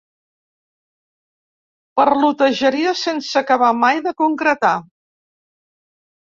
Parlotejaria sense acabar mai de concretar.